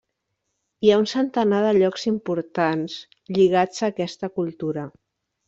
Hi ha un centenar de llocs importants lligats a aquesta cultura.